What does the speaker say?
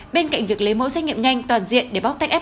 bên cạnh việc lấy mẫu xét nghiệm nhanh toàn diện để bóc tách fed